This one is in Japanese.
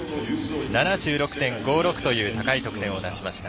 ７６．５６という高い得点を出しました。